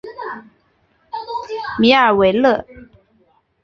米尔维勒。